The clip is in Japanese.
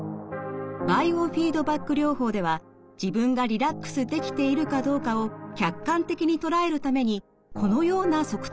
バイオフィードバック療法では自分がリラックスできているかどうかを客観的に捉えるためにこのような測定器を使います。